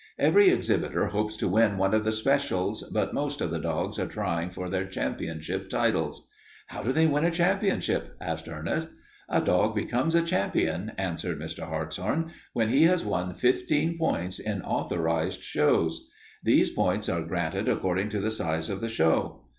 Every exhibitor hopes to win one of the specials, but most of the dogs are trying for their championship titles." "How do they win a championship?" asked Ernest. "A dog becomes a champion," answered Mr. Hartshorn, "when he has won fifteen points in authorized shows. These points are granted according to the size of the show.